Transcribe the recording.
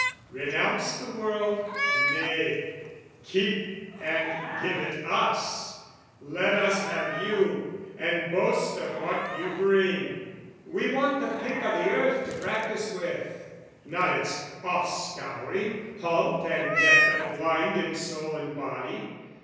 "Renounce the world? Nay, keep and give it us! "Let us have you, and boast of what you bring. "We want the pick o' the earth to practise with, "Not its offscouring, halt and deaf and blind "In soul and body.